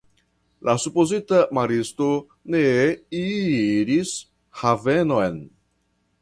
La supozita maristo ne iris havenon.